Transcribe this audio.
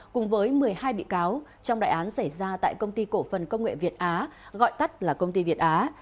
cùng với một mươi hai bị cáo trong đại án xảy ra tại công ty cổ phần công nghệ việt á gọi tắt là công ty việt á